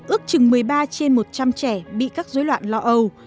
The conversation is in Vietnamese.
ước chừng một mươi ba trên một trăm linh trẻ bị các dối loạn lo âu